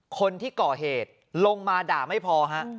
คนที่ก่อเหตุลงมาด่าไม่พอฮะ